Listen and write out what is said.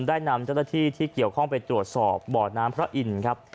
ได้นำเจ้าหน้าที่ที่เกี่ยวข้องไปตรวจสอบบ่อน้ำพระอินทร์ครับ